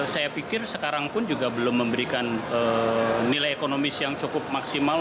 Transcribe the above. saya pikir sekarang pun juga belum memberikan nilai ekonomis yang cukup maksimal